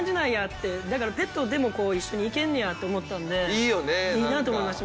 だからペットでも一緒に行けんねやって思ったんでいいなって思いました